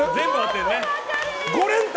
５連単？